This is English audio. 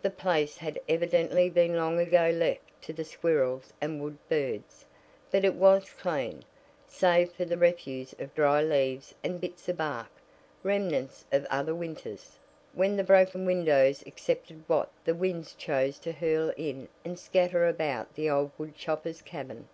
The place had evidently been long ago left to the squirrels and wood birds, but it was clean, save for the refuse of dry leaves and bits of bark, remnants of other winters, when the broken windows accepted what the winds chose to hurl in and scatter about the old woodchopper's cabin.